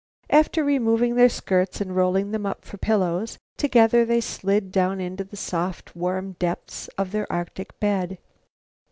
After removing their skirts and rolling them up for pillows, together they slid down into the soft, warm depths of their Arctic bed.